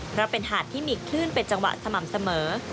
เพราะเป็นหาดที่มีคลื่นเป็นจังหวะสม่ำเสมอ